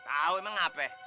tahu emang apa